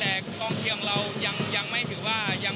แต่กองเชียร์ของเรายังไม่ถือว่ายัง